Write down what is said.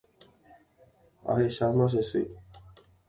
Ahecháma che sy